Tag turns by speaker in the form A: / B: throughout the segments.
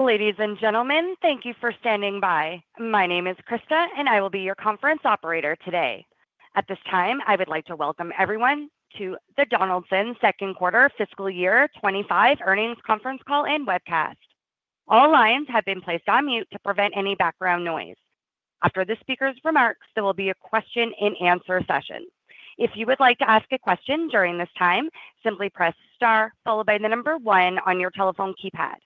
A: Ladies and gentlemen, thank you for standing by. My name is Krista, and I will be your conference operator today. At this time, I would like to welcome everyone to the Donaldson Q2 Fiscal Year 2025 Earnings Conference Call and Webcast. All lines have been placed on mute to prevent any background noise. After the speaker's remarks, there will be a question-and-answer session. If you would like to ask a question during this time, simply press star followed by the number one on your telephone keypad.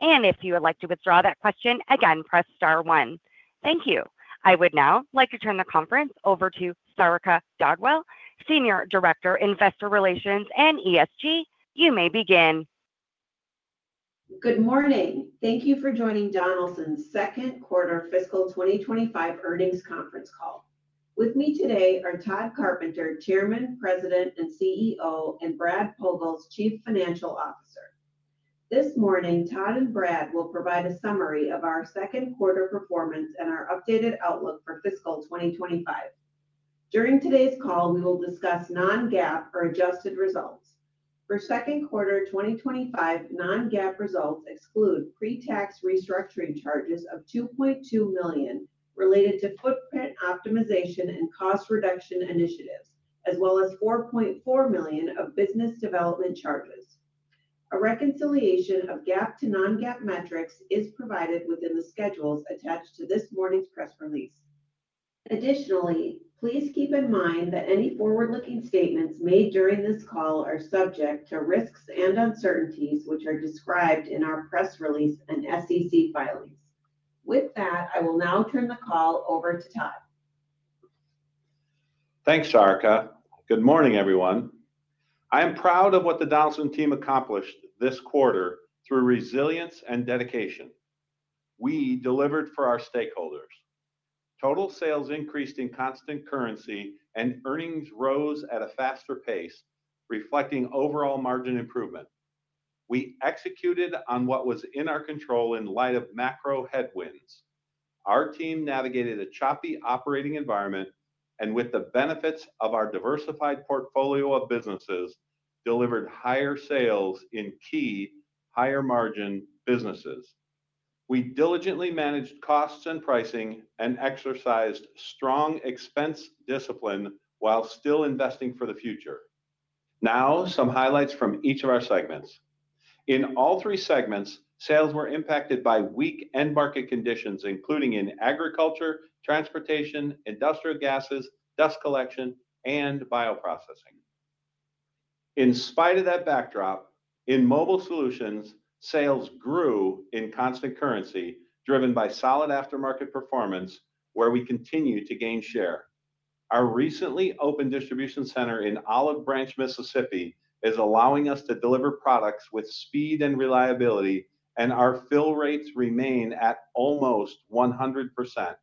A: And if you would like to withdraw that question, again, press star one. Thank you. I would now like to turn the conference over to Sarika Dhadwal, Senior Director, Investor Relations and ESG. You may begin.
B: Good morning. Thank you for joining Donaldson's Q2 Fiscal 2025 Earnings Conference Call. With me today are Tod Carpenter, Chairman, President, and CEO, and Brad Pogalz, Chief Financial Officer. This morning, Tod and Brad will provide a summary of our Q2 performance and our updated outlook for fiscal 2025. During today's call, we will discuss non-GAAP or adjusted results. For Q2 2025, non-GAAP results exclude pre-tax restructuring charges of $2.2 million related to footprint optimization and cost reduction initiatives, as well as $4.4 million of business development charges. A reconciliation of GAAP to non-GAAP metrics is provided within the schedules attached to this morning's press release. Additionally, please keep in mind that any forward-looking statements made during this call are subject to risks and uncertainties, which are described in our press release and SEC filings. With that, I will now turn the call over to Tod.
C: Thanks, Sarika. Good morning, everyone. I am proud of what the Donaldson team accomplished this quarter through resilience and dedication. We delivered for our stakeholders. Total sales increased in constant currency, and earnings rose at a faster pace, reflecting overall margin improvement. We executed on what was in our control in light of macro headwinds. Our team navigated a choppy operating environment, and with the benefits of our diversified portfolio of businesses, delivered higher sales in key, higher-margin businesses. We diligently managed costs and pricing and exercised strong expense discipline while still investing for the future. Now, some highlights from each of our segments. In all three segments, sales were impacted by weak end-market conditions, including in agriculture, transportation, industrial gases, dust collection, and bioprocessing. In spite of that backdrop, in mobile solutions, sales grew in constant currency, driven by solid aftermarket performance, where we continue to gain share. Our recently opened distribution center in Olive Branch, Mississippi, is allowing us to deliver products with speed and reliability, and our fill rates remain at almost 100%.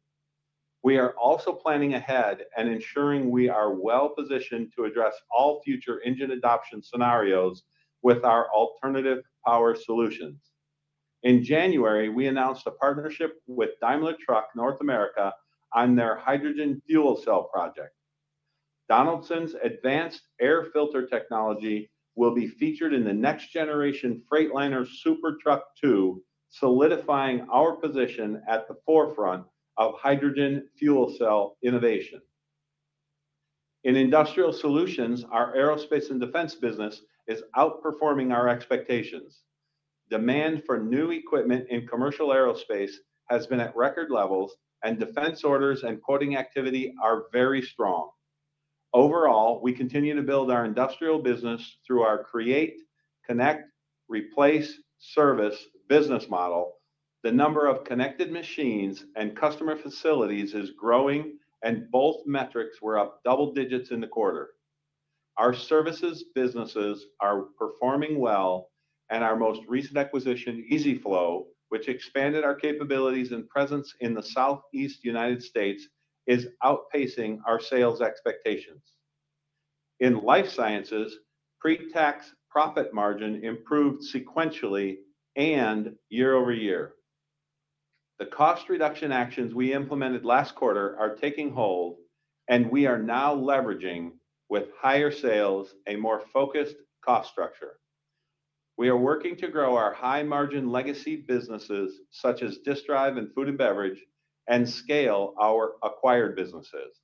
C: We are also planning ahead and ensuring we are well-positioned to address all future engine adoption scenarios with our alternative power solutions. In January, we announced a partnership with Daimler Truck North America on their hydrogen fuel cell project. Donaldson's advanced air filter technology will be featured in the next-generation Freightliner SuperTruck II, solidifying our position at the forefront of hydrogen fuel cell innovation. In industrial solutions, our aerospace and defense business is outperforming our expectations. Demand for new equipment in commercial aerospace has been at record levels, and defense orders and quoting activity are very strong. Overall, we continue to build our industrial business through our Create, Connect, Replace, Service business model. The number of connected machines and customer facilities is growing, and both metrics were up double digits in the quarter. Our services businesses are performing well, and our most recent acquisition, EZ-Flow, which expanded our capabilities and presence in the Southeast United States, is outpacing our sales expectations. In Life Sciences, pre-tax profit margin improved sequentially and year-over-year. The cost reduction actions we implemented last quarter are taking hold, and we are now leveraging, with higher sales, a more focused cost structure. We are working to grow our high-margin legacy businesses, such as Disk Drive and Food and Beverage, and scale our acquired businesses.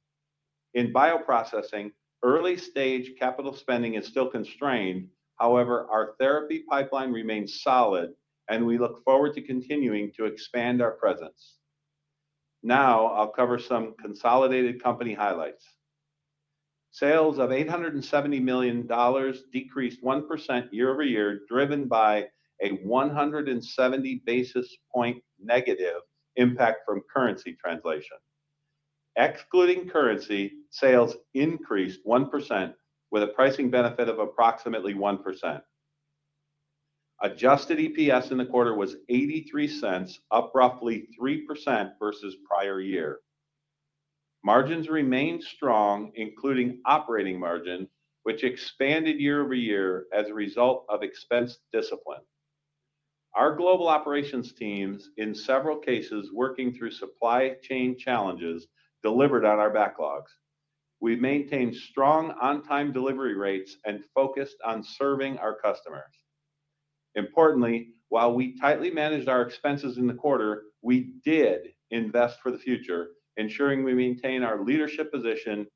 C: In Bioprocessing, early-stage capital spending is still constrained. However, our therapy pipeline remains solid, and we look forward to continuing to expand our presence. Now, I'll cover some consolidated company highlights. Sales of $870 million decreased 1% year-over-year, driven by a 170 basis point negative impact from currency translation. Excluding currency, sales increased 1%, with a pricing benefit of approximately 1%. Adjusted EPS in the quarter was $0.83, up roughly 3% versus prior year. Margins remained strong, including operating margin, which expanded year-over-year as a result of expense discipline. Our global operations teams, in several cases, working through supply chain challenges, delivered on our backlogs. We maintained strong on-time delivery rates and focused on serving our customers. Importantly, while we tightly managed our expenses in the quarter, we did invest for the future, ensuring we maintain our leadership position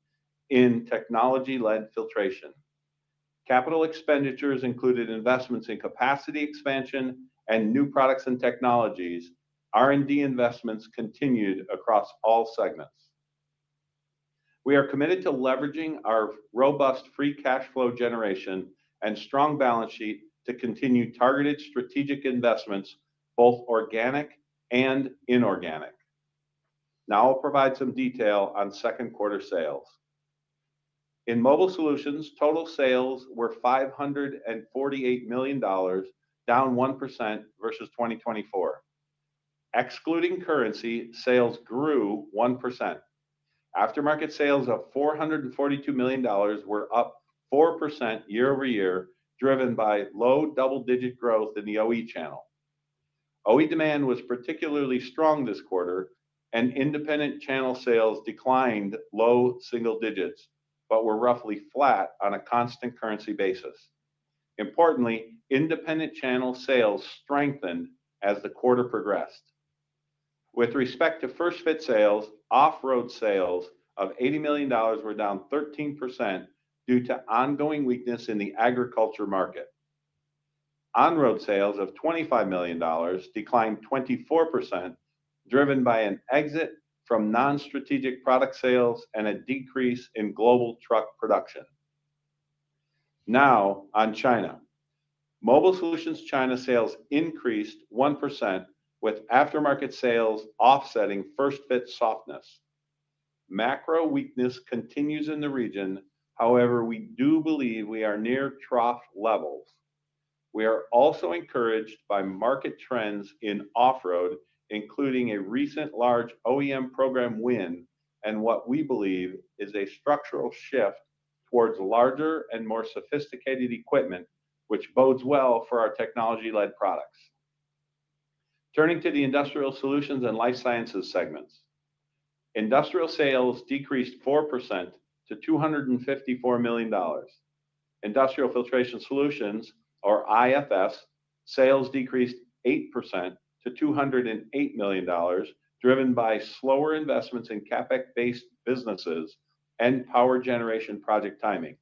C: in technology-led filtration. Capital expenditures included investments in capacity expansion and new products and technologies. R&D investments continued across all segments. We are committed to leveraging our robust free cash flow generation and strong balance sheet to continue targeted strategic investments, both organic and inorganic. Now, I'll provide some detail on Q2 sales. In Mobile Solutions, total sales were $548 million, down 1% versus 2024. Excluding currency, sales grew 1%. Aftermarket sales of $442 million were up 4% year-over-year, driven by low double-digit growth in the OE channel. OE demand was particularly strong this quarter, and independent channel sales declined low single digits but were roughly flat on a constant currency basis. Importantly, independent channel sales strengthened as the quarter progressed. With respect to first-fit sales, off-road sales of $80 million were down 13% due to ongoing weakness in the agriculture market. On-road sales of $25 million declined 24%, driven by an exit from non-strategic product sales and a decrease in global truck production. Now, on China, Mobile Solutions China sales increased 1%, with aftermarket sales offsetting first-fit softness. Macro weakness continues in the region. However, we do believe we are near trough levels. We are also encouraged by market trends in off-road, including a recent large OEM program win and what we believe is a structural shift towards larger and more sophisticated equipment, which bodes well for our technology-led products. Turning to the Industrial Solutions and Life Sciences segments. Industrial sales decreased 4% to $254 million. Industrial Filtration Solutions, or IFS, sales decreased 8% to $208 million, driven by slower investments in CapEx-based businesses and power generation project timing.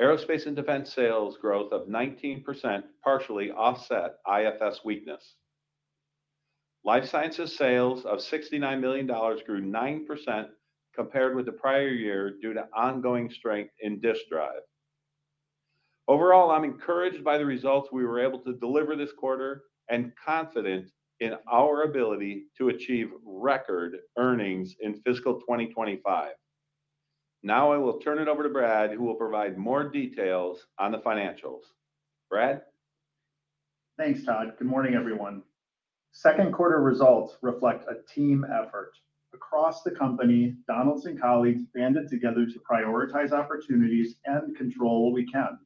C: Aerospace and defense sales growth of 19% partially offset IFS weakness. Life Sciences sales of $69 million grew 9% compared with the prior year due to ongoing strength in Disk Drive. Overall, I'm encouraged by the results we were able to deliver this quarter and confident in our ability to achieve record earnings in fiscal 2025. Now, I will turn it over to Brad, who will provide more details on the financials. Brad?
D: Thanks, Tod. Good morning, everyone. Q2 results reflect a team effort. Across the company, Donaldson colleagues banded together to prioritize opportunities and control what we can,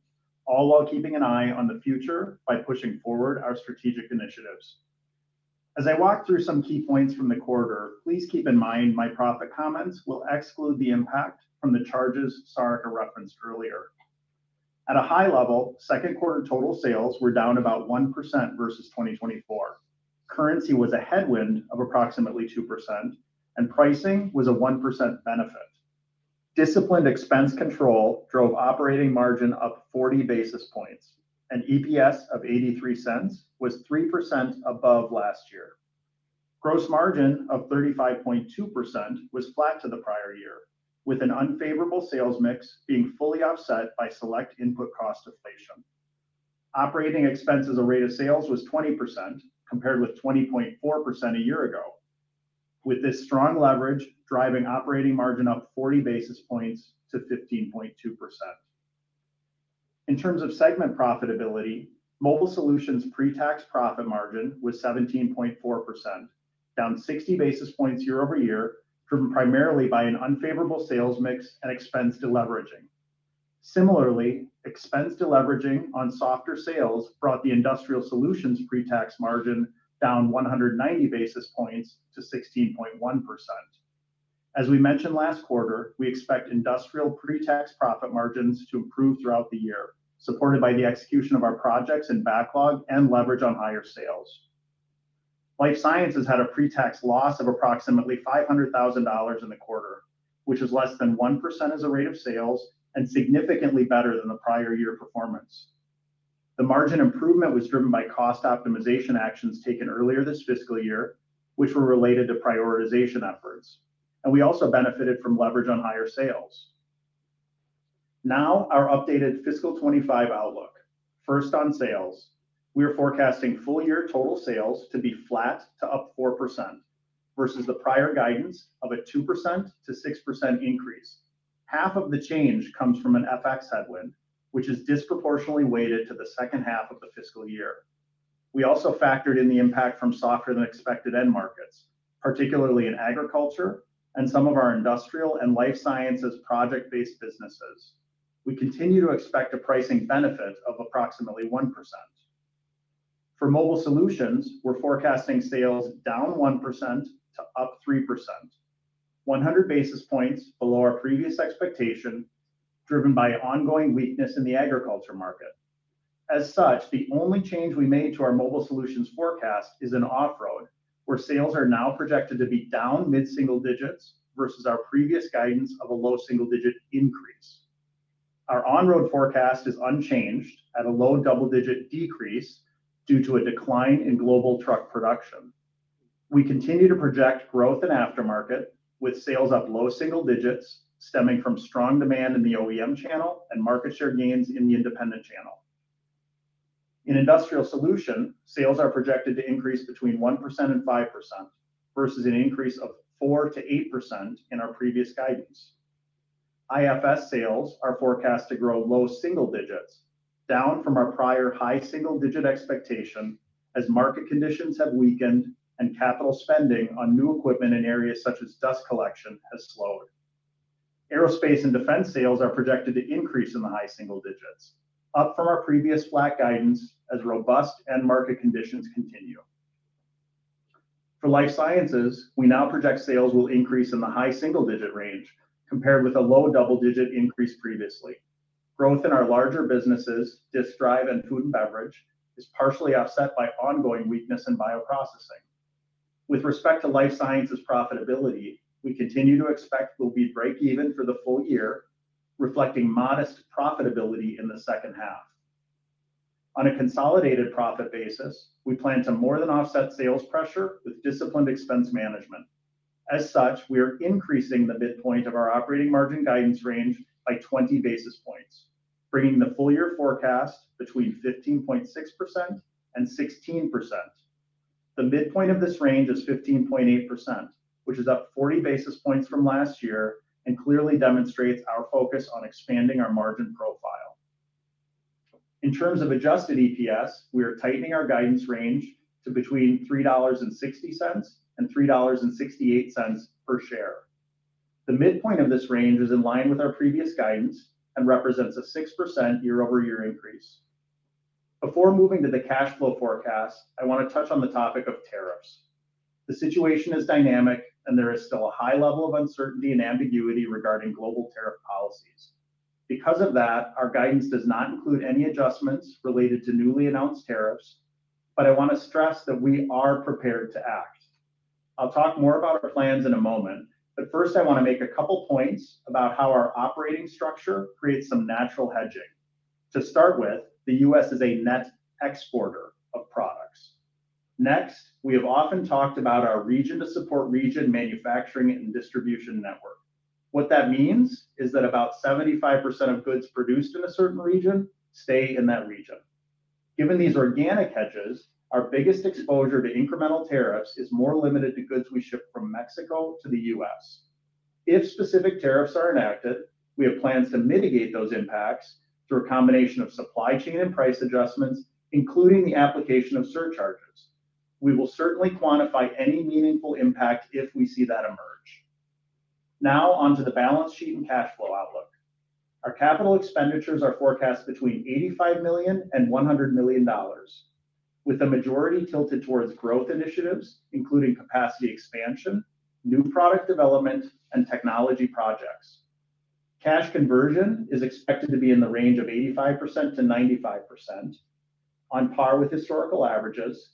D: all while keeping an eye on the future by pushing forward our strategic initiatives. As I walk through some key points from the quarter, please keep in mind my profit comments will exclude the impact from the charges Sarika referenced earlier. At a high level, Q2 total sales were down about 1% versus 2024. Currency was a headwind of approximately 2%, and pricing was a 1% benefit. Disciplined expense control drove operating margin up 40 basis points. An EPS of $0.83 was 3% above last year. Gross margin of 35.2% was flat to the prior year, with an unfavorable sales mix being fully offset by select input cost inflation. Operating expenses as a ratio to sales was 20% compared with 20.4% a year ago. With this strong leverage, driving operating margin up 40 basis points to 15.2%. In terms of segment profitability, Mobile Solutions pre-tax profit margin was 17.4%, down 60 basis points year-over-year, driven primarily by an unfavorable sales mix and expense deleveraging. Similarly, expense deleveraging on softer sales brought the Industrial Solutions pre-tax margin down 190 basis points to 16.1%. As we mentioned last quarter, we expect industrial pre-tax profit margins to improve throughout the year, supported by the execution of our projects and backlog and leverage on higher sales. Life Sciences had a pre-tax loss of approximately $500,000 in the quarter, which is less than 1% as a rate of sales and significantly better than the prior year performance. The margin improvement was driven by cost optimization actions taken earlier this fiscal year, which were related to prioritization efforts. We also benefited from leverage on higher sales. Now, our updated fiscal 2025 outlook. First on sales, we are forecasting full year total sales to be flat to up 4% versus the prior guidance of a 2%-6% increase. Half of the change comes from an FX headwind, which is disproportionately weighted to the second half of the fiscal year. We also factored in the impact from softer than expected end markets, particularly in agriculture and some of our Industrial and Life Sciences project-based businesses. We continue to expect a pricing benefit of approximately 1%. For Mobile Solutions, we're forecasting sales down 1% to up 3%, 100 basis points below our previous expectation, driven by ongoing weakness in the agriculture market. As such, the only change we made to our Mobile Solutions forecast is in off-road, where sales are now projected to be down mid-single digits versus our previous guidance of a low single digit increase. Our on-road forecast is unchanged at a low double-digit decrease due to a decline in global truck production. We continue to project growth in aftermarket, with sales up low single digits stemming from strong demand in the OEM channel and market share gains in the independent channel. In Industrial Solutions, sales are projected to increase between 1% and 5% versus an increase of 4% to 8% in our previous guidance. IFS sales are forecast to grow low single digits, down from our prior high single digit expectation as market conditions have weakened and capital spending on new equipment in areas such as Dust Collection has slowed. Aerospace and defense sales are projected to increase in the high single digits, up from our previous flat guidance as robust end market conditions continue. For life sciences, we now project sales will increase in the high single digit range compared with a low double-digit increase previously. Growth in our larger businesses, disk drive and food and beverage, is partially offset by ongoing weakness in bioprocessing. With respect to life sciences profitability, we continue to expect we'll be breakeven for the full year, reflecting modest profitability in the second half. On a consolidated profit basis, we plan to more than offset sales pressure with disciplined expense management. As such, we are increasing the midpoint of our operating margin guidance range by 20 basis points, bringing the full year forecast between 15.6% and 16%. The midpoint of this range is 15.8%, which is up 40 basis points from last year and clearly demonstrates our focus on expanding our margin profile. In terms of adjusted EPS, we are tightening our guidance range to between $3.60 and $3.68 per share. The midpoint of this range is in line with our previous guidance and represents a 6% year-over-year increase. Before moving to the cash flow forecast, I want to touch on the topic of tariffs. The situation is dynamic, and there is still a high level of uncertainty and ambiguity regarding global tariff policies. Because of that, our guidance does not include any adjustments related to newly announced tariffs, but I want to stress that we are prepared to act. I'll talk more about our plans in a moment, but first, I want to make a couple of points about how our operating structure creates some natural hedging. To start with, the U.S. is a net exporter of products. Next, we have often talked about our region-to-region manufacturing and distribution network. What that means is that about 75% of goods produced in a certain region stay in that region. Given these organic hedges, our biggest exposure to incremental tariffs is more limited to goods we ship from Mexico to the U.S. If specific tariffs are enacted, we have plans to mitigate those impacts through a combination of supply chain and price adjustments, including the application of surcharges. We will certainly quantify any meaningful impact if we see that emerge. Now, onto the balance sheet and cash flow outlook. Our capital expenditures are forecast between $85 million-$100 million, with the majority tilted towards growth initiatives, including capacity expansion, new product development, and technology projects. Cash conversion is expected to be in the range of 85%-95%, on par with historical averages,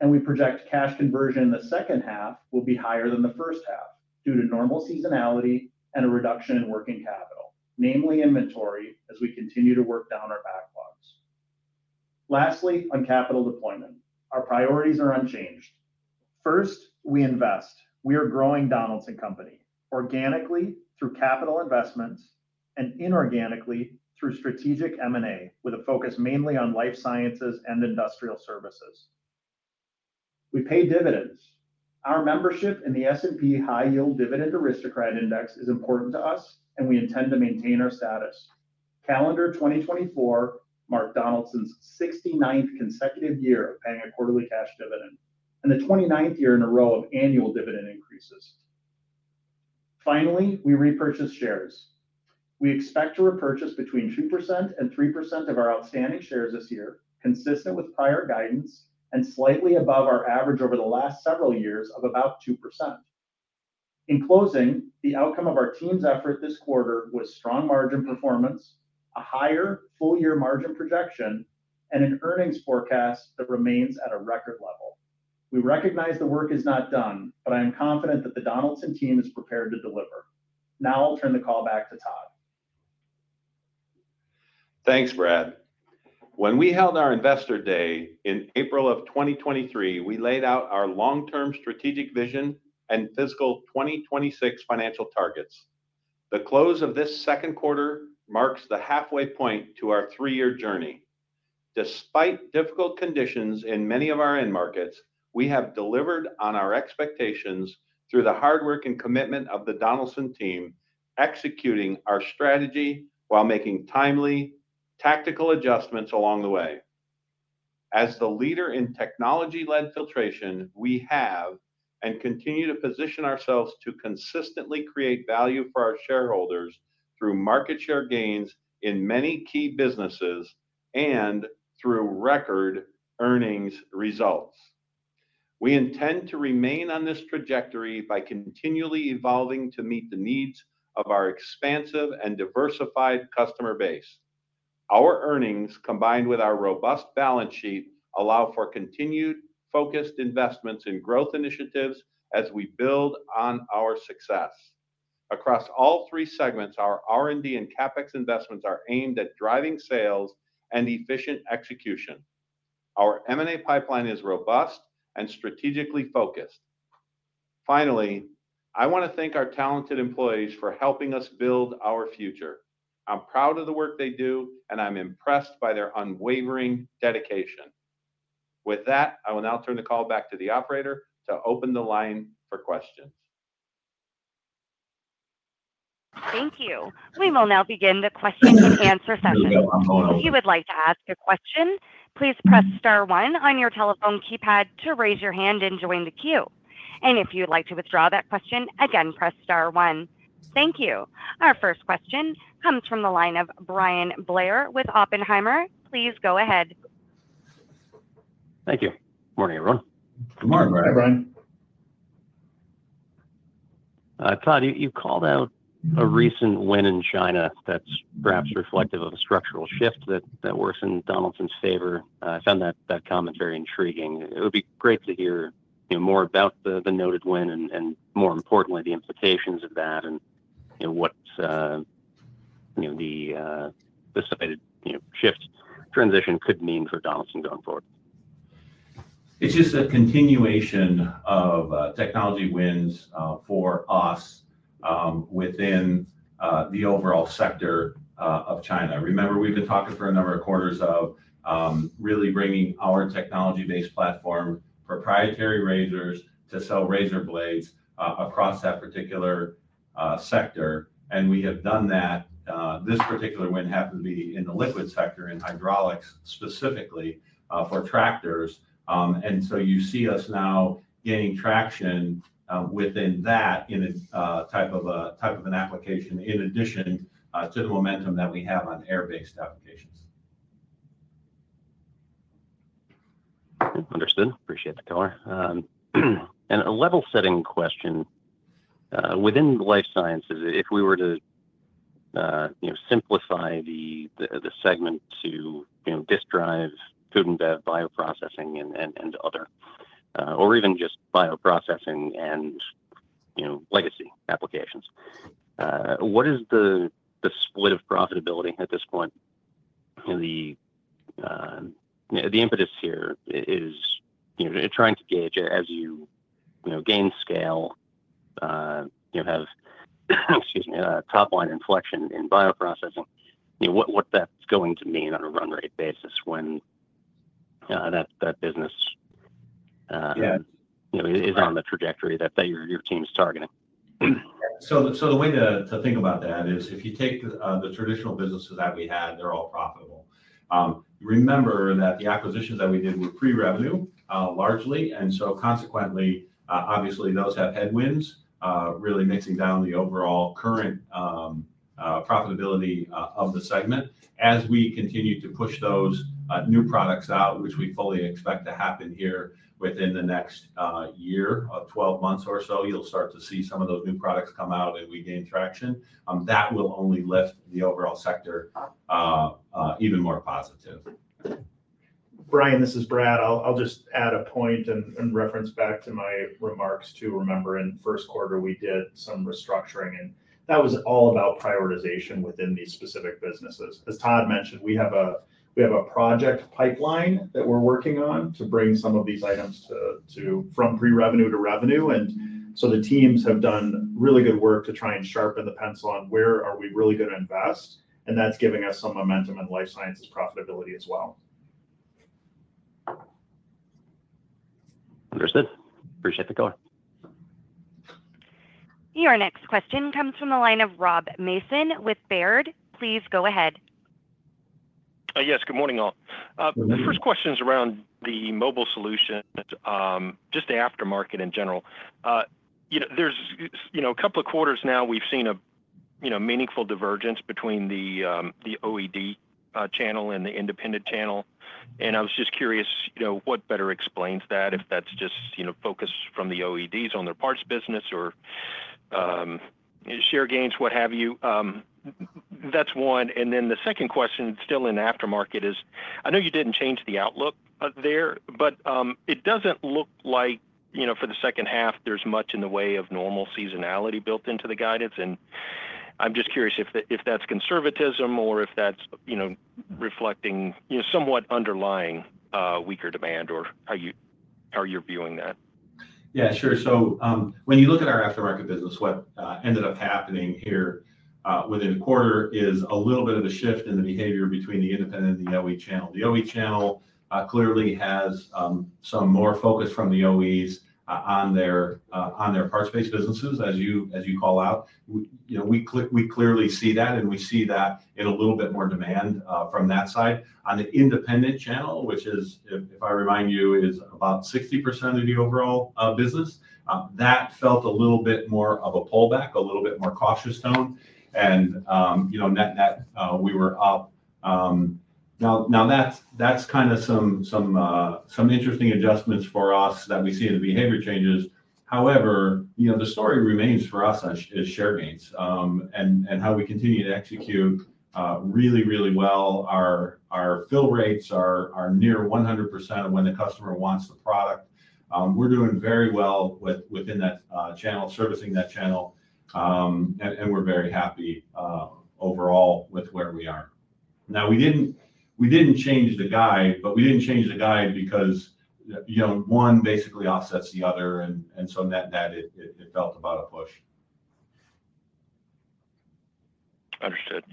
D: and we project cash conversion in the second half will be higher than the first half due to normal seasonality and a reduction in working capital, namely inventory, as we continue to work down our backlogs. Lastly, on capital deployment, our priorities are unchanged. First, we invest. We are growing Donaldson Company organically through capital investments and inorganically through strategic M&A with a focus mainly on life sciences and industrial services. We pay dividends. Our membership in the S&P High-Yield Dividend Aristocrat Index is important to us, and we intend to maintain our status. Calendar 2024 marked Donaldson's 69th consecutive year of paying a quarterly cash dividend and the 29th year in a row of annual dividend increases. Finally, we repurchase shares. We expect to repurchase between 2% and 3% of our outstanding shares this year, consistent with prior guidance and slightly above our average over the last several years of about 2%. In closing, the outcome of our team's effort this quarter was strong margin performance, a higher full year margin projection, and an earnings forecast that remains at a record level. We recognize the work is not done, but I am confident that the Donaldson team is prepared to deliver. Now, I'll turn the call back to Tod.
C: Thanks, Brad. When we held our investor day in April of 2023, we laid out our long-term strategic vision and fiscal 2026 financial targets. The close of this Q2 marks the halfway point to our three-year journey. Despite difficult conditions in many of our end markets, we have delivered on our expectations through the hard work and commitment of the Donaldson team, executing our strategy while making timely tactical adjustments along the way. As the leader in technology-led filtration, we have and continue to position ourselves to consistently create value for our shareholders through market share gains in many key businesses and through record earnings results. We intend to remain on this trajectory by continually evolving to meet the needs of our expansive and diversified customer base. Our earnings, combined with our robust balance sheet, allow for continued focused investments in growth initiatives as we build on our success. Across all three segments, our R&D and CapEx investments are aimed at driving sales and efficient execution. Our M&A pipeline is robust and strategically focused. Finally, I want to thank our talented employees for helping us build our future. I'm proud of the work they do, and I'm impressed by their unwavering dedication. With that, I will now turn the call back to the operator to open the line for questions.
A: Thank you. We will now begin the question and answer session. If you would like to ask a question, please press star one on your telephone keypad to raise your hand and join the queue. And if you'd like to withdraw that question, again, press star one. Thank you. Our first question comes from the line of Bryan Blair with Oppenheimer. Please go ahead.
E: Thank you. Good morning, everyone.
D: Good morning, Brad.
E: Tod, you called out a recent win in China that's perhaps reflective of a structural shift that works in Donaldson's favor. I found that comment very intriguing. It would be great to hear more about the noted win and, more importantly, the implications of that and what the decided shift transition could mean for Donaldson going forward.
C: It's just a continuation of technology wins for us within the overall sector of China. Remember, we've been talking for a number of quarters of really bringing our technology-based platform, proprietary razors, to sell razor blades across that particular sector. And we have done that. This particular win happens to be in the liquid sector, in hydraulics specifically for tractors. And so you see us now gaining traction within that type of an application in addition to the momentum that we have on air-based applications.
E: Understood. Appreciate the color and a level-setting question. Within Life Sciences, if we were to simplify the segment to Disk Drive, Food and Bev, Bioprocessing, and other, or even just Bioprocessing and legacy applications, what is the split of profitability at this point? The impetus here is trying to gauge as you gain scale, have top-line inflection in Bioprocessing, what that's going to mean on a run-rate basis when that business is on the trajectory that your team is targeting.
C: So the way to think about that is if you take the traditional businesses that we had, they're all profitable. Remember that the acquisitions that we did were pre-revenue largely. And so consequently, obviously, those have headwinds really mixing down the overall current profitability of the segment. As we continue to push those new products out, which we fully expect to happen here within the next year or 12 months or so, you'll start to see some of those new products come out and we gain traction. That will only lift the overall sector even more positive.
D: Bryan, this is Brad. I'll just add a point and reference back to my remarks too. Remember, in Q1, we did some restructuring, and that was all about prioritization within these specific businesses. As Tod mentioned, we have a project pipeline that we're working on to bring some of these items from pre-revenue to revenue. And so the teams have done really good work to try and sharpen the pencil on where are we really going to invest, and that's giving us some momentum in Life Sciences profitability as well.
E: Understood. Appreciate the color.
A: Your next question comes from the line of Rob Mason with Baird. Please go ahead.
F: Yes, good morning, all. The first question is around the mobile solution, just the aftermarket in general. There's a couple of quarters now we've seen a meaningful divergence between the OEM channel and the independent channel. And I was just curious what better explains that, if that's just focus from the OEMs on their parts business or share gains, what have you. That's one. And then the second question, still in the aftermarket, is I know you didn't change the outlook there, but it doesn't look like for the second half, there's much in the way of normal seasonality built into the guidance. And I'm just curious if that's conservatism or if that's reflecting somewhat underlying weaker demand or how you're viewing that.
C: Yeah, sure. So when you look at our aftermarket business, what ended up happening here within a quarter is a little bit of a shift in the behavior between the independent and the OE channel. The OE channel clearly has some more focus from the OEs on their parts-based businesses, as you call out. We clearly see that, and we see that in a little bit more demand from that side. On the independent channel, which is, if I remind you, is about 60% of the overall business, that felt a little bit more of a pullback, a little bit more cautious tone. And net-net, we were up. Now, that's kind of some interesting adjustments for us that we see in the behavior changes. However, the story remains for us is share gains and how we continue to execute really, really well. Our fill rates are near 100% of when the customer wants the product. We're doing very well within that channel, servicing that channel, and we're very happy overall with where we are. Now, we didn't change the guide, but we didn't change the guide because one basically offsets the other, and so net-net, it felt about a push.
F: Understood.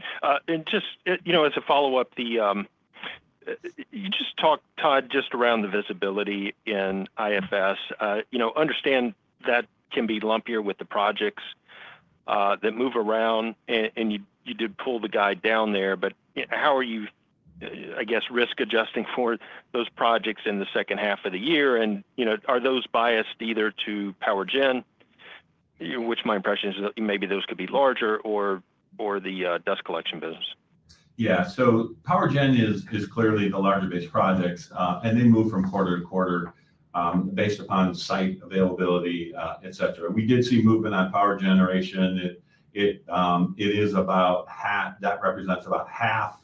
F: And just as a follow-up, you just talked, Tod, just around the visibility in IFS. Understand that can be lumpier with the projects that move around, and you did pull the guide down there, but how are you, I guess, risk-adjusting for those projects in the second half of the year? And are those biased either to PowerGen, which my impression is maybe those could be larger, or the dust collection business?
C: Yeah. So PowerGen is clearly the larger-based projects, and they move from quarter-to-quarter based upon site availability, etc. We did see movement on power generation. That represents about half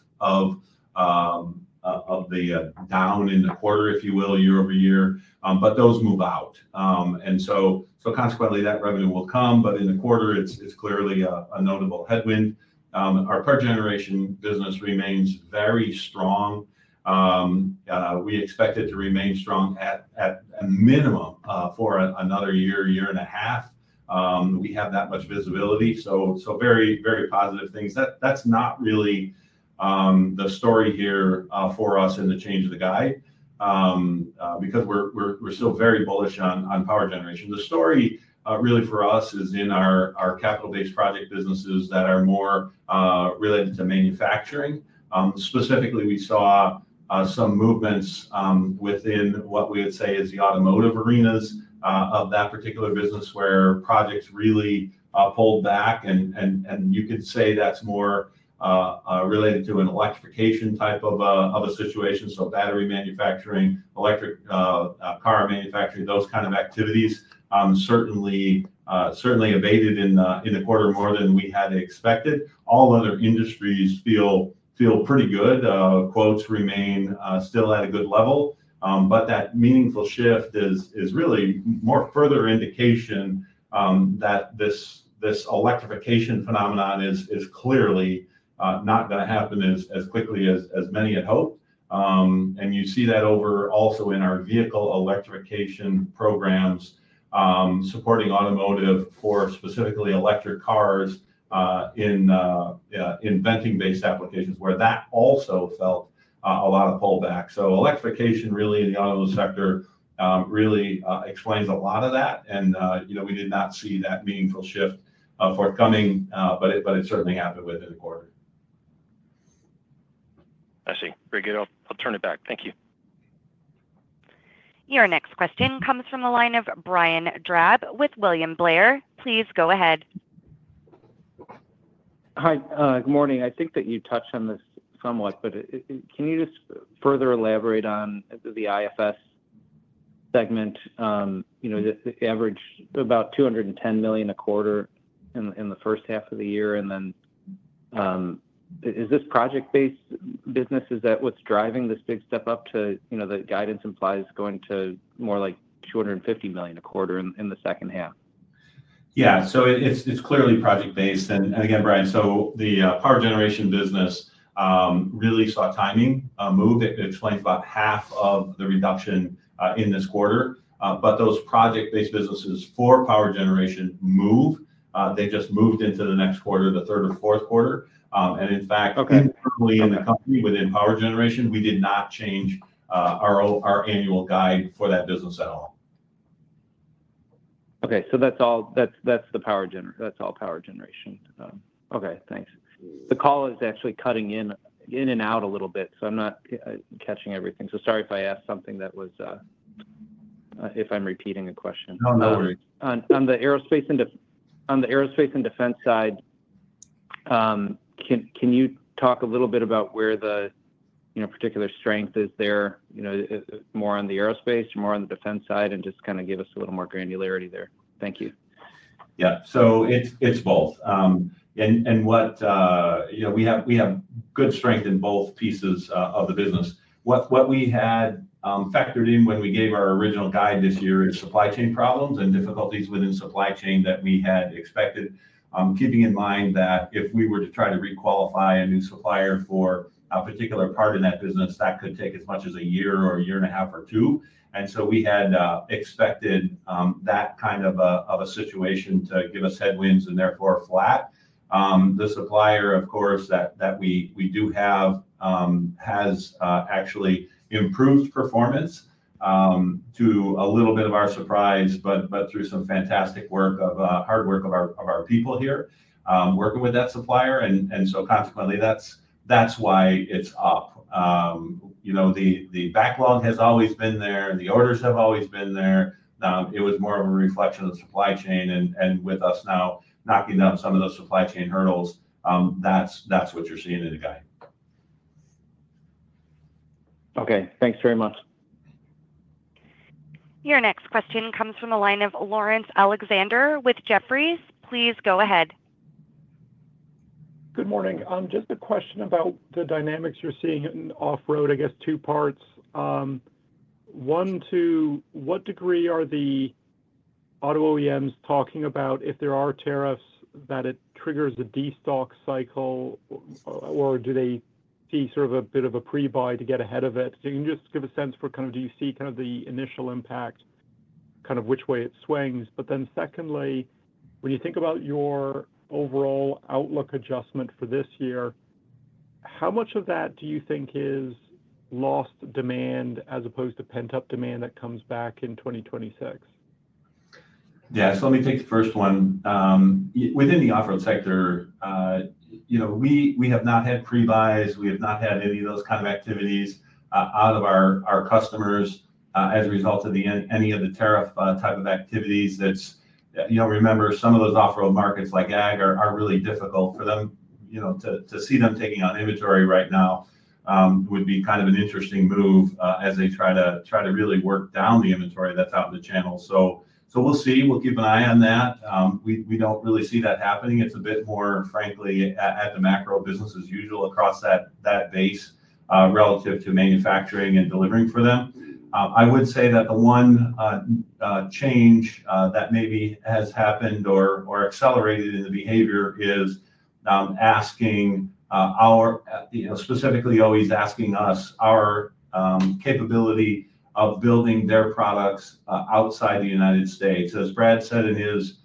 C: of the down in the quarter, if you will, year-over-year, but those move out. And so consequently, that revenue will come, but in the quarter, it's clearly a notable headwind. Our power generation business remains very strong. We expect it to remain strong at a minimum for another year, year and a half. We have that much visibility. So very, very positive things. That's not really the story here for us in the change of the guide because we're still very bullish on power generation. The story really for us is in our capital-based project businesses that are more related to manufacturing. Specifically, we saw some movements within what we would say is the automotive arenas of that particular business where projects really pulled back, and you could say that's more related to an electrification type of a situation, so battery manufacturing, electric car manufacturing, those kind of activities certainly abated in the quarter more than we had expected. All other industries feel pretty good. Quotes remain still at a good level, but that meaningful shift is really more further indication that this electrification phenomenon is clearly not going to happen as quickly as many had hoped, and you see that over also in our vehicle electrification programs supporting automotive for specifically electric cars in venting-based applications where that also felt a lot of pullback. Electrification really in the automotive sector really explains a lot of that, and we did not see that meaningful shift forthcoming, but it certainly happened within a quarter.
F: I see. Very good. I'll turn it back. Thank you.
A: Your next question comes from the line of Brian Drab with William Blair. Please go ahead.
G: Hi. Good morning. I think that you touched on this somewhat, but can you just further elaborate on the IFS segment? The average about $210 million a quarter in the first half of the year, and then is this project-based business? Is that what's driving this big step up to the guidance implies going to more like $250 million a quarter in the second half?
C: Yeah. So it's clearly project-based. And again, Brian, so the power generation business really saw timing move. It explains about half of the reduction in this quarter. But those project-based businesses for power generation move. They just moved into the next quarter, the Q3 or Q4. And in fact, currently in the company within power generation, we did not change our annual guide for that business at all.
G: Okay. So that's all power generation. Okay. Thanks. The call is actually cutting in and out a little bit, so I'm not catching everything. So sorry if I asked something, if I'm repeating a question.
C: No, no worries.
G: On the aerospace and defense side, can you talk a little bit about where the particular strength is there? More on the aerospace or more on the defense side? And just kind of give us a little more granularity there. Thank you.
C: Yeah. So it's both. And we have good strength in both pieces of the business. What we had factored in when we gave our original guide this year is supply chain problems and difficulties within supply chain that we had expected, keeping in mind that if we were to try to requalify a new supplier for a particular part in that business, that could take as much as 1 year or 1.5 years or 2 years. And so we had expected that kind of a situation to give us headwinds and therefore flat. The supplier, of course, that we do have has actually improved performance to a little bit of our surprise, but through some fantastic work of hard work of our people here working with that supplier. And so consequently, that's why it's up. The backlog has always been there. The orders have always been there. It was more of a reflection of supply chain, and with us now knocking down some of those supply chain hurdles, that's what you're seeing in the guide.
G: Okay. Thanks very much.
A: Your next question comes from the line of Laurence Alexander with Jefferies. Please go ahead.
H: Good morning. Just a question about the dynamics you're seeing in off-road, I guess two parts. One, to what degree are the auto OEMs talking about if there are tariffs that it triggers a destock cycle, or do they see sort of a bit of a pre-buy to get ahead of it? So you can just give a sense for kind of do you see kind of the initial impact, kind of which way it swings? But then secondly, when you think about your overall outlook adjustment for this year, how much of that do you think is lost demand as opposed to pent-up demand that comes back in 2026?
C: Yeah. So let me take the first one. Within the off-road sector, we have not had pre-buys. We have not had any of those kind of activities out of our customers as a result of any of the tariff type of activities. Remember, some of those off-road markets like AG are really difficult for them to see them taking on inventory right now. It would be kind of an interesting move as they try to really work down the inventory that's out in the channel. So we'll see. We'll keep an eye on that. We don't really see that happening. It's a bit more, frankly, at the macro business as usual across that base relative to manufacturing and delivering for them. I would say that the one change that maybe has happened or accelerated in the behavior is specifically our OEMs asking us our capability of building their products outside the United States. As Brad said in his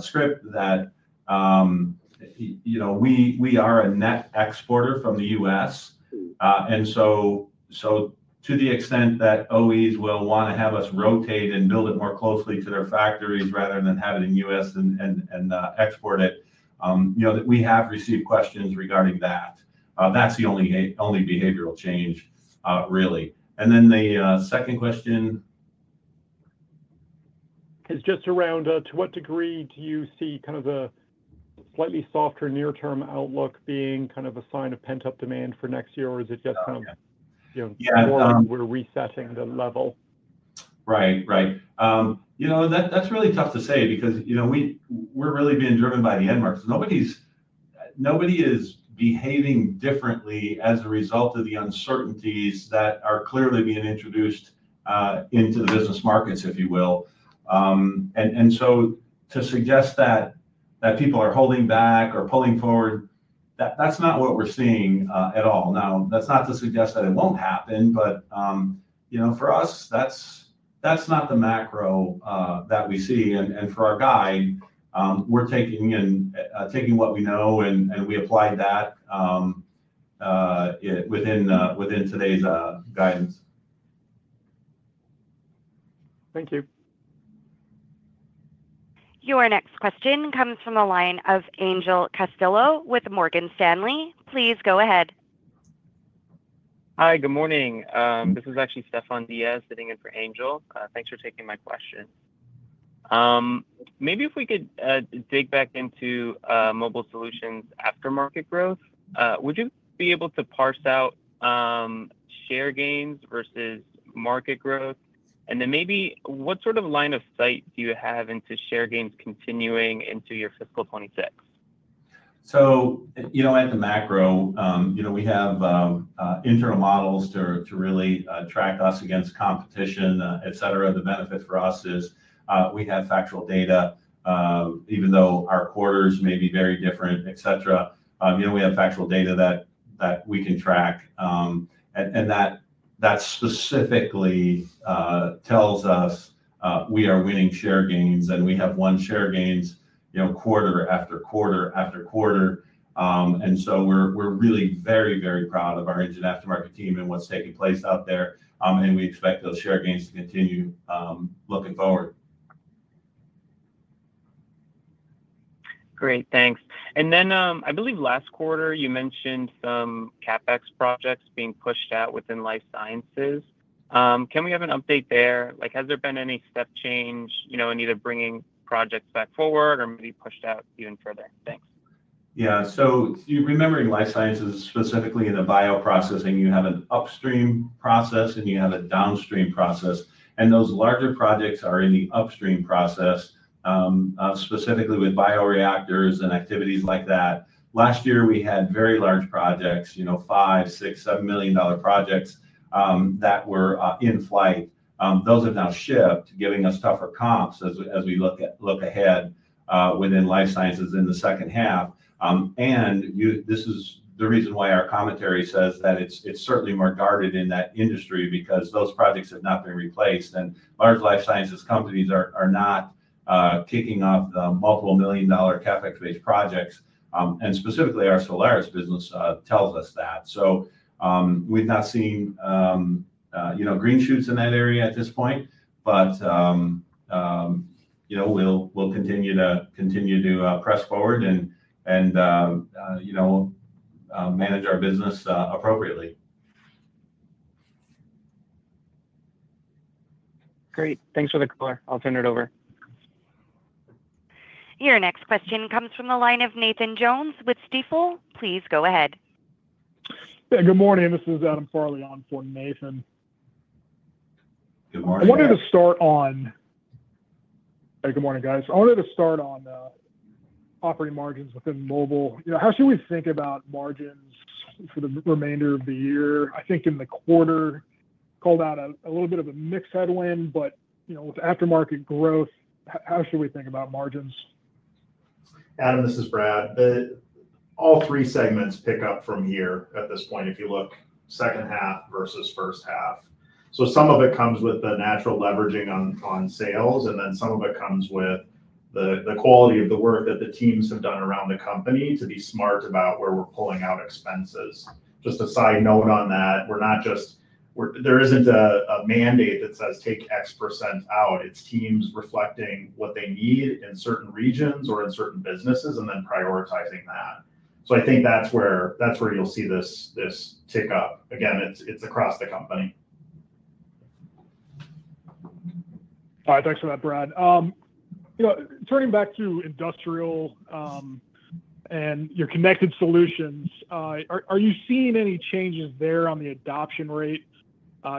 C: script, that we are a net exporter from the U.S. And so to the extent that OEMs will want to have us rotate and build it more closely to their factories rather than have it in the U.S. and export it, we have received questions regarding that. That's the only behavioral change, really, and then the second question.
H: It's just around to what degree do you see kind of a slightly softer near-term outlook being kind of a sign of pent-up demand for next year, or is it just kind of more we're resetting the level?
C: Right. Right. That's really tough to say because we're really being driven by the end markets. Nobody is behaving differently as a result of the uncertainties that are clearly being introduced into the business markets, if you will. And so to suggest that people are holding back or pulling forward, that's not what we're seeing at all. Now, that's not to suggest that it won't happen, but for us, that's not the macro that we see. And for our guide, we're taking what we know, and we applied that within today's guidance.
H: Thank you.
A: Your next question comes from the line of Angel Castillo with Morgan Stanley. Please go ahead.
I: Hi. Good morning. This is actually Stefan Diaz sitting in for Angel. Thanks for taking my question. Maybe if we could dig back into mobile solutions aftermarket growth, would you be able to parse out share gains versus market growth? And then maybe what sort of line of sight do you have into share gains continuing into your fiscal 2026?
C: So at the macro, we have internal models to really track us against competition, etc. The benefit for us is we have factual data, even though our quarters may be very different, etc. We have factual data that we can track, and that specifically tells us we are winning share gains, and we have won share gains quarter after quarter after quarter. And so we're really very, very proud of our engine aftermarket team and what's taking place out there, and we expect those share gains to continue looking forward.
I: Great. Thanks, and then I believe last quarter, you mentioned some CapEx projects being pushed out within life sciences. Can we have an update there? Has there been any step change in either bringing projects back forward or maybe pushed out even further? Thanks.
C: Yeah. So remembering life sciences, specifically in the bioprocessing, you have an upstream process, and you have a downstream process. And those larger projects are in the upstream process, specifically with bioreactors and activities like that. Last year, we had very large projects, $5 million, $6 million, $7 million projects that were in flight. Those have now shipped, giving us tougher comps as we look ahead within life sciences in the second half. And this is the reason why our commentary says that it's certainly more guarded in that industry because those projects have not been replaced, and large life sciences companies are not kicking off the multiple million dollar CapEx-based projects. And specifically, our Solaris business tells us that. So we've not seen green shoots in that area at this point, but we'll continue to press forward and manage our business appropriately.
I: Great. Thanks for the color. I'll turn it over.
A: Your next question comes from the line of Nathan Jones with Stifel. Please go ahead.
J: Good morning. This is Adam Farley on for Nathan.
C: Good morning.
J: Hey, good morning, guys. I wanted to start on operating margins within Mobile. How should we think about margins for the remainder of the year? I think in the quarter, called out a little bit of a mixed headwind, but with aftermarket growth, how should we think about margins?
D: Adam, this is Brad. All three segments pick up from here at this point if you look second half versus first half. So some of it comes with the natural leveraging on sales, and then some of it comes with the quality of the work that the teams have done around the company to be smart about where we're pulling out expenses. Just a side note on that, we're not just. There isn't a mandate that says, "take x% out." It's teams reflecting what they need in certain regions or in certain businesses and then prioritizing that. So I think that's where you'll see this tick up. Again, it's across the company.
J: All right. Thanks for that, Brad. Turning back to Industrial and your connected solutions, are you seeing any changes there on the adoption rate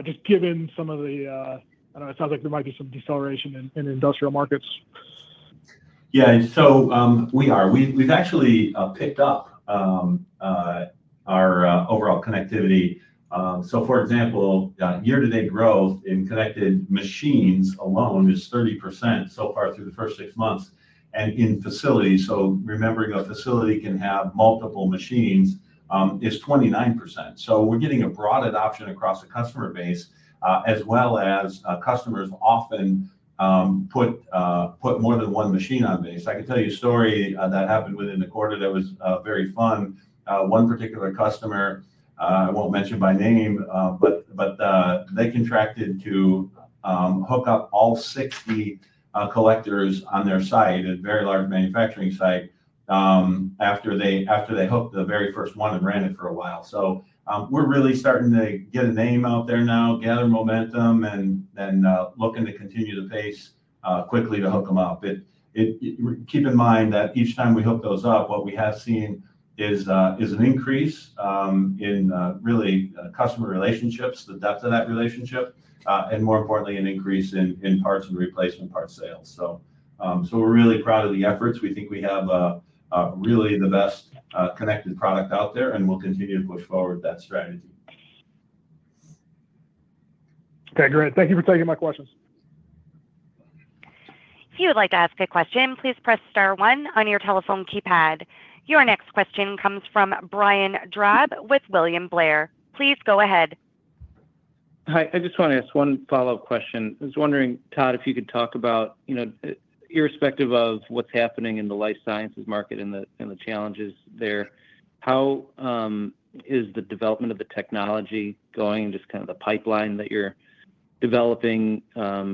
J: just given some of the, I don't know? It sounds like there might be some deceleration in industrial markets.
C: Yeah, so we've actually picked up our overall connectivity, so for example, year-to-date growth in connected machines alone is 30% so far through the first six months, and in facilities, so remembering a facility can have multiple machines, it's 29%, so we're getting a broad adoption across the customer base as well as customers often put more than one machine on base. I can tell you a story that happened within the quarter that was very fun. One particular customer, I won't mention by name, but they contracted to hook up all 60 collectors on their site, a very large manufacturing site, after they hooked the very first one and ran it for a while, so we're really starting to get a name out there now, gather momentum, and looking to continue the pace quickly to hook them up. Keep in mind that each time we hook those up, what we have seen is an increase in really customer relationships, the depth of that relationship, and more importantly, an increase in parts and replacement part sales. So we're really proud of the efforts. We think we have really the best connected product out there, and we'll continue to push forward that strategy.
J: Okay. Great. Thank you for taking my questions.
A: If you would like to ask a question, please press star one on your telephone keypad. Your next question comes from Brian Drab with William Blair. Please go ahead.
G: Hi. I just want to ask one follow-up question. I was wondering, Tod, if you could talk about irrespective of what's happening in the life sciences market and the challenges there, how is the development of the technology going and just kind of the pipeline that you're developing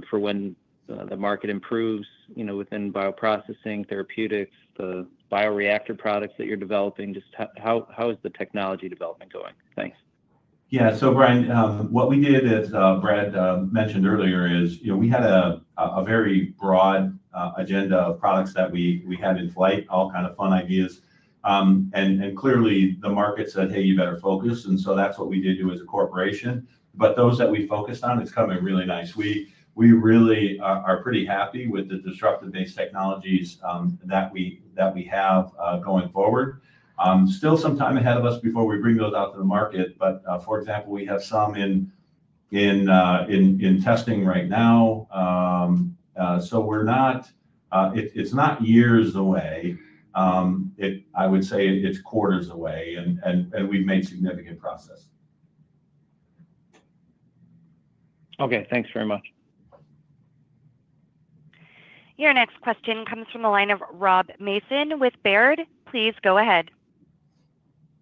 G: for when the market improves within bioprocessing, therapeutics, the bioreactor products that you're developing? Just how is the technology development going? Thanks.
C: Yeah. So Bryan, what we did, as Brad mentioned earlier, is we had a very broad agenda of products that we had in flight, all kind of fun ideas. And clearly, the market said, "Hey, you better focus." And so that's what we did do as a corporation. But those that we focused on, it's coming really nice. We really are pretty happy with the disruptive-based technologies that we have going forward. Still some time ahead of us before we bring those out to the market, but for example, we have some in testing right now. So it's not years away. I would say it's quarters away, and we've made significant progress.
G: Okay. Thanks very much.
A: Your next question comes from the line of Rob Mason with Baird. Please go ahead.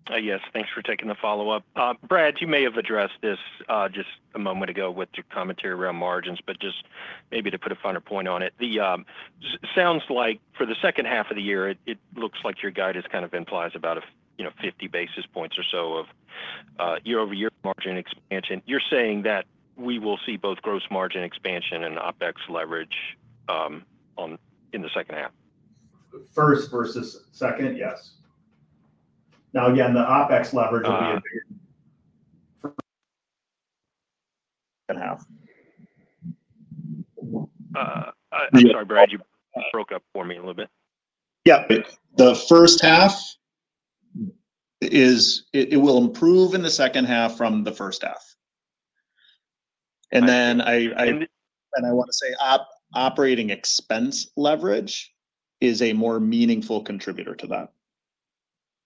F: Yes. Thanks for taking the follow-up. Brad, you may have addressed this just a moment ago with your commentary around margins, but just maybe to put a finer point on it, it sounds like for the second half of the year, it looks like your guide has kind of implied about 50 basis points or so of year-over-year margin expansion. You're saying that we will see both gross margin expansion and OpEx leverage in the second half?
D: Yeah. The first half, it will improve in the second half from the first half. And then I want to say operating expense leverage is a more meaningful contributor to that.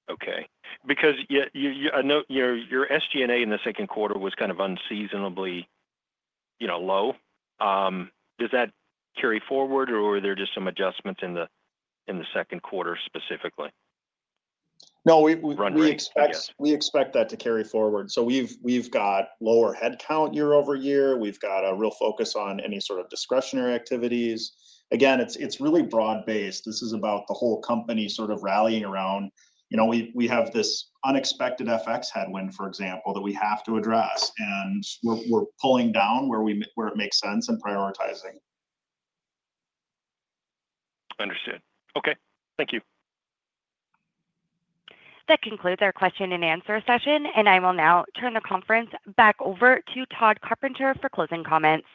F: Okay. Because I note your SG&A in the Q2 was kind of unseasonably low. Does that carry forward, or were there just some adjustments in the Q2 specifically?
D: No. We expect that to carry forward. So we've got lower headcount year-over-year. We've got a real focus on any sort of discretionary activities. Again, it's really broad-based. This is about the whole company sort of rallying around. We have this unexpected FX headwind, for example, that we have to address, and we're pulling down where it makes sense and prioritizing.
F: Understood. Okay. Thank you.
A: That concludes our question and answer session, and I will now turn the conference back over to Tod Carpenter for closing comments.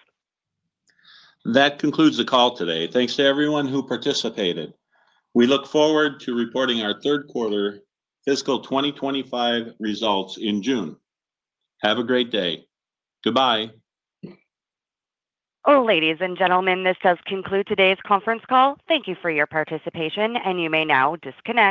C: That concludes the call today. Thanks to everyone who participated. We look forward to reporting our Q3 fiscal 2025 results in June. Have a great day. Goodbye.
A: Ladies and gentlemen, this does conclude today's conference call. Thank you for your participation, and you may now disconnect.